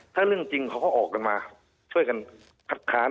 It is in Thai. ถ้าเรื่องจริงเขาก็ออกกันมาช่วยกันคัดค้าน